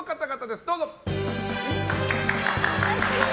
どうぞ！